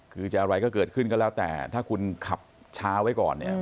คือจะอะไรก็เกิดขึ้นก็แล้วแต่ถ้าคุณขับช้าไว้ก่อนเนี่ย